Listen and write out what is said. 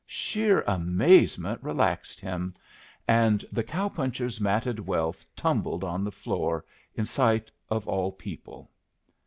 Sheer amazement relaxed him, and the cow puncher's matted wealth tumbled on the floor in sight of all people.